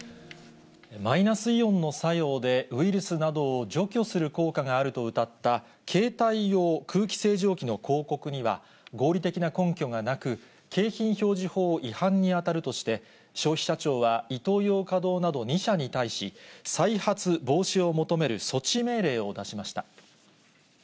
マイナスイオンの作用でウイルスなどを除去する効果があるとうたった、携帯用空気清浄機の広告には、合理的な根拠がなく、景品表示法違反に当たるとして、消費者庁は、イトーヨーカ堂など２社に対し、再発防止を求める措置命令を出しました。